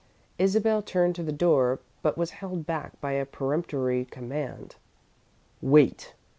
Isabel turned to the door but was held back by a peremptory command. "Wait!"